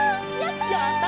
やった！